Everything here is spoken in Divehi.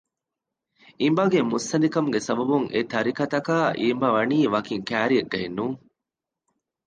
އިނބަގެ މުއްސަނދި ކަމުގެ ސަބަބުން އެތަރިތަކާ އިނބަވަނީ ވަކިން ކައިރިއެއްގައެއް ނޫން